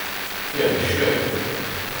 Te a vez skuizh.